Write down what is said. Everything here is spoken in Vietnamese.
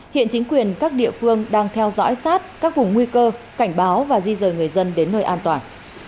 hiện chính quyền các địa phương đang theo dõi sát các vùng nguy cơ cảnh báo và di rời người dân đến nơi an toàn